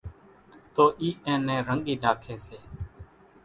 تو اِي اين نين رڳي ناکي سي